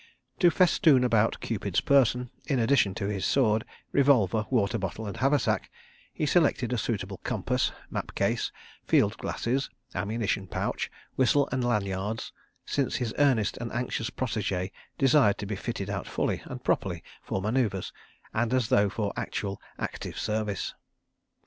To festoon about Cupid's person, in addition to his sword, revolver, water bottle and haversack, he selected a suitable compass, map case, field glasses, ammunition pouch, whistle and lanyards, since his earnest and anxious protégé desired to be fitted out fully and properly for manœuvres, and as though for actual active service.